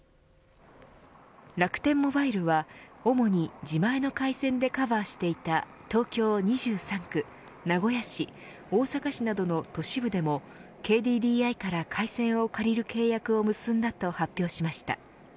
楽天モバイルは主に自前の回線でカバーしていた東京２３区名古屋市、大阪市などの都市部でもＫＤＤＩから回線を借りる契約を結んだと発表しました。